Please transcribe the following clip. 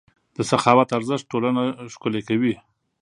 د سخاوت ارزښت ټولنه ښکلې کوي.